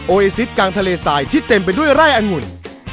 เอซิสกลางทะเลสายที่เต็มไปด้วยไร่อังุ่น